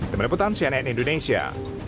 teman teman sianet indonesia